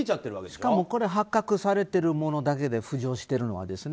しかも発覚されてるものだけで浮上しているのはですね。